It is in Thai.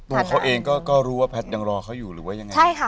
ตัวเขาเองก็รู้ว่าแพทย์ยังรอเขาอยู่หรือว่ายังไงใช่ค่ะ